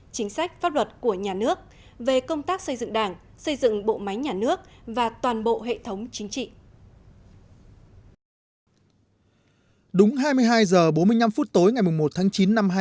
chính sách pháp luật của nhà nước về công tác xây dựng đảng xây dựng bộ máy nhà nước và toàn bộ hệ thống chính trị